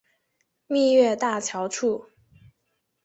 蜜月大桥处。